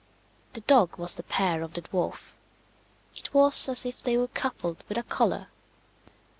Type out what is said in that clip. The dog was the pair of the dwarf; it was as if they were coupled with a collar.